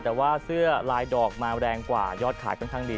แต่ว่าเสื้อลายดอกมาแรงกว่ายอดขายค่อนข้างดี